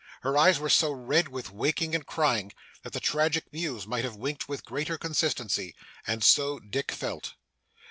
Her eyes were so red with waking and crying, that the Tragic Muse might have winked with greater consistency. And so Dick felt.